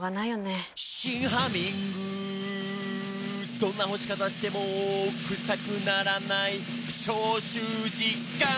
「どんな干し方してもクサくならない」「消臭実感！」